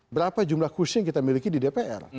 berapa jumlah kursi yang kita miliki di dpr